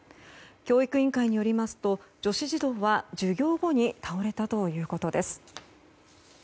教育委員会によりますと女子児童は授業後に倒れたということです。